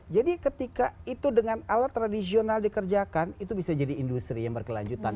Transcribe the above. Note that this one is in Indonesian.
jadi ketika itu dengan alat tradisional dikerjakan itu bisa jadi industri yang berkelanjutan